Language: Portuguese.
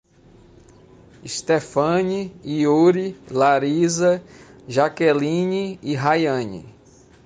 Estefane, Iuri, Larisa, Jakeline e Raiane